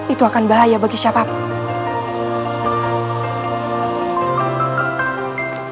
itu akan bahaya bagi siapapun